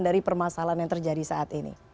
dari permasalahan yang terjadi saat ini